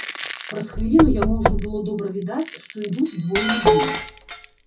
Праз хвіліну яму ўжо было добра відаць, што ідуць двое людзей.